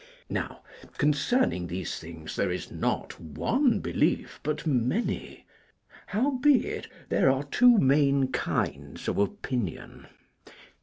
Now, concerning these things there is not one belief, but many; howbeit, there are two main kinds of opinion.